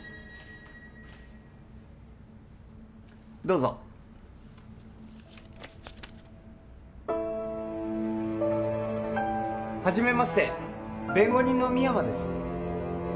どうぞ初めまして弁護人の深山です